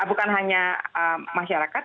bukan hanya masyarakat